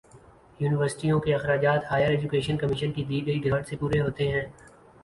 یونیورسٹیوں کے اخراجات ہائیر ایجوکیشن کمیشن کی دی گئی گرانٹ سے پورے ہوتے ہیں